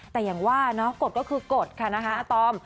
แต่อย่างว่าเนาะกฎก็คือกฎค่ะนะคะอาตอม